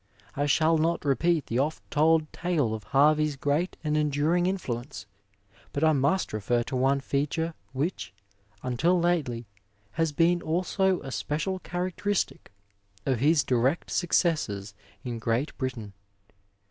I shall not repeat the oft told tale of Harvey's great and endxuing influence, but I must refer to one feature which, until lately, has been also a special characteristic of his direct successors in Great Britain.